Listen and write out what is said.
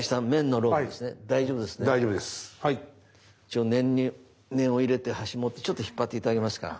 一応念には念を入れて端持ってちょっと引っ張って頂けますか？